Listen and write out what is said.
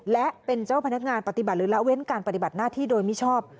และเป็นเจ้าพนักงานปฏิบัติหรือละเว้นการปฏิบัติหน้าที่โดยมิชอบ